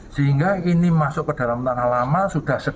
sehingga ini masuk ke dalam tanah lama sudah selesai